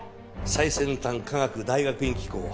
「最先端科学大学院機構」。